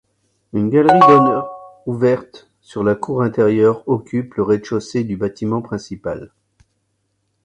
Une galerie d'honneur ouverte sur la cour intérieure occupe le rez-de-chaussée du bâtiment principal.